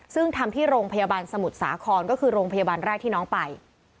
ซึ่งทำที่โรงพยาบาลสมุทรสาครก็คือโรงพยาบาลแรกที่น้องไป